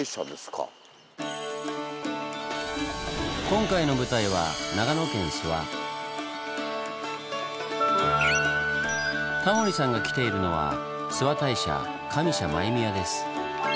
今回の舞台はタモリさんが来ているのは諏訪大社上社前宮です。